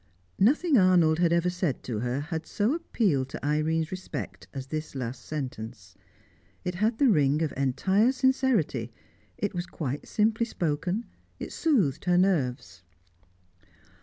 Nothing Arnold had ever said to her had so appealed to Irene's respect as this last sentence. It had the ring of entire sincerity; it was quite simply spoken; it soothed her nerves.